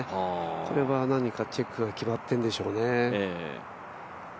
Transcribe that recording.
これは何かチェックが決まってるんでしょうね。